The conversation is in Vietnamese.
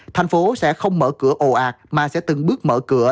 tp hcm sẽ không mở cửa ồ ạt mà sẽ từng bước mở cửa